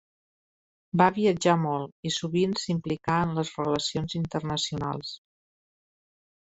Va viatjar molt i sovint s'implicà en les relacions internacionals.